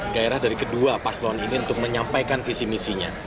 gairah dari kedua paslon ini untuk menyampaikan visi misinya